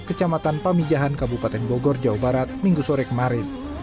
kecamatan pamijahan kabupaten bogor jawa barat minggu sore kemarin